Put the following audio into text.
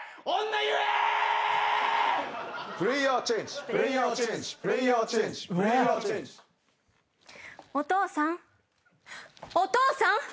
お父さん。